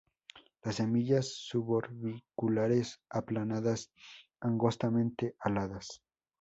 Las semillas suborbiculares, aplanadas, angostamente aladas.